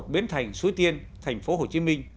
bến thành suối tiên tp hcm